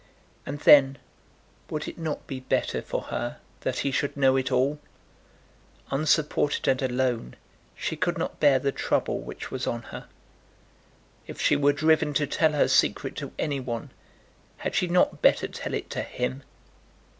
And then would it not be better for her that he should know it all? Unsupported and alone she could not bear the trouble which was on her. If she were driven to tell her secret to any one, had she not better tell it to him?